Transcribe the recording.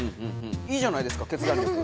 いいじゃないですか決断力。